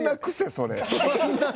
それ。